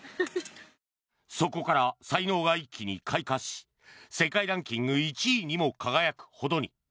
そこから才能が一気に開花し世界ランキング１位にも輝くほどに。